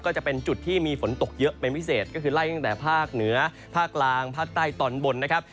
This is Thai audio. ก็จะเป็นจุดที่มีฝนตกเยอะเป็นพิเศษก็คือไล่ตั้งแต่ภาคเหนือภาคกลางภาคใต้ตอนบนนะครับ